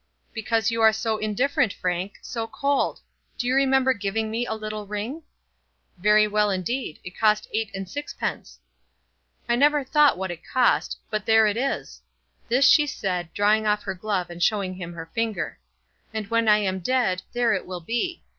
"Because you are so indifferent, Frank; so cold. Do you remember giving me a little ring?" "Very well indeed. It cost eight and sixpence." "I never thought what it cost; but there it is." This she said, drawing off her glove and showing him her finger. "And when I am dead, there it will be.